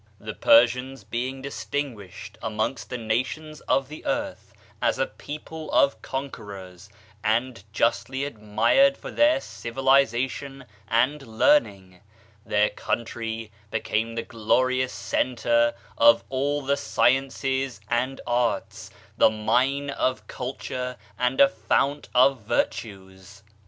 The Persians being distinguished amongst the nations of the earth as a people of conquerors, and justly admired for their civilization and learning, their country became the glorious center of all the sciences and ara, the mine of culture and a fount of virtues.